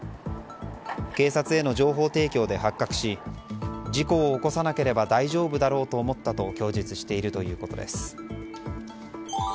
警察への情報提供で発覚し事故を起こさなければ大丈夫だろうと思ったと供述しているということです。